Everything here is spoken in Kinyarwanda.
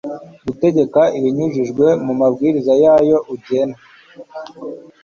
gutegeka ibinyujije mu mabwiriza yayo ugena